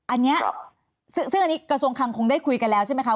อันนี้ซึ่งอันนี้กระทรวงคังคงได้คุยกันแล้วใช่ไหมคะ